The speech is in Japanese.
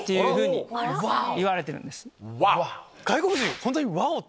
外国人。